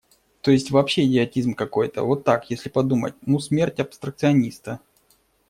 То есть, вообще идиотизм какой-то, вот так, если подумать: ну, смерть абстракциониста.